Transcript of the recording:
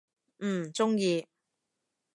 嗯，中意！